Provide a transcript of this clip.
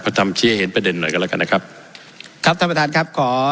ทำชี้ให้เห็นประเด็นหน่อยกันแล้วกันนะครับครับท่านประธานครับขอ